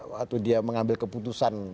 waktu dia mengambil keputusan